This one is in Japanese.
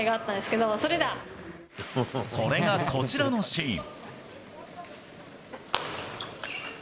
けそれがこちらのシーン。